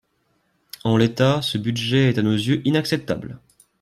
En l’état, ce budget est à nos yeux inacceptable.